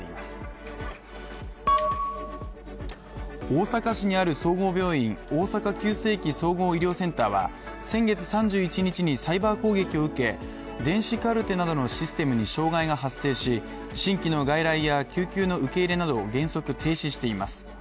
大阪市にある総合病院、大阪急性期・総合医療センターは先月３１日にサイバー攻撃を受け電子カルテなどのシステムに障害が発生し、新規の外来や救急の受け入れなどを原則停止しています。